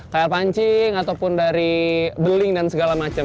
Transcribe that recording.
kaya pancing ataupun dari beling dan segala macem